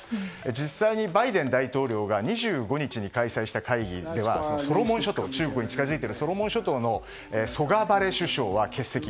実際にバイデン大統領が２５日に開催した会議では中国に近づいているソロモン諸島のソガバレ首相は欠席。